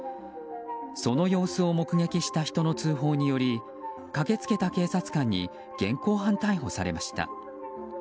その様子を目撃した人の通報により駆け付けた警察官に現行犯逮捕されました。